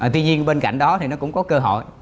tuy nhiên bên cạnh đó thì nó cũng có cơ hội